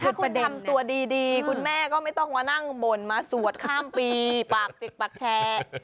ถ้าคุณทำตัวดีคุณแม่ก็ไม่ต้องมานั่งบ่นมาสวดข้ามปีปากปิดปากแชร์